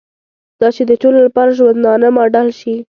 دا چې د ټولو لپاره ژوندانه ماډل شي.